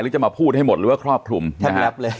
หรือจะมาพูดให้หมดหรือว่าครอบถุลนะฮะ